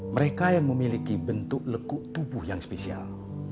mereka yang memiliki bentuk lekuk tubuh yang spesial